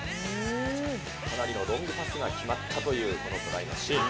かなりのロングパスが決まったというこのトライのシーン。